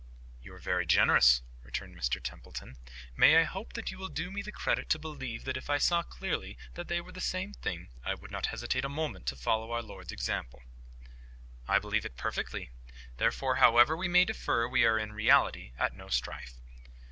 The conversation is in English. "You are very generous," returned Mr Templeton. "May I hope that you will do me the credit to believe that if I saw clearly that they were the same thing, I would not hesitate a moment to follow our Lord's example." "I believe it perfectly. Therefore, however we may differ, we are in reality at no strife."